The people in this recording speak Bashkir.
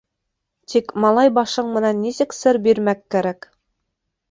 Тик малай башың менән нисек сер бирмәк кәрәк?